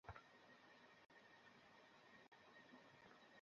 তাই সুষ্ঠু নির্বাচন নিয়ে সাধারণ ভোটারদের মধ্যে সংশয় থাকাটা অমূলক নয়।